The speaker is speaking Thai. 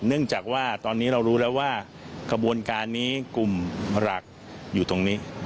เนื่องจากว่าตอนนี้เรารู้แล้วว่าขบวนการนี้กลุ่มหลักอยู่ตรงนี้